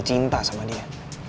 cinta sama dia